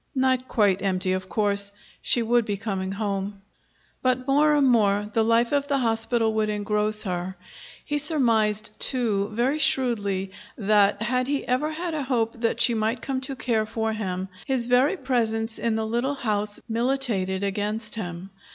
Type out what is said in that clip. Not quite empty, of course. She would be coming home. But more and more the life of the hospital would engross her. He surmised, too, very shrewdly, that, had he ever had a hope that she might come to care for him, his very presence in the little house militated against him.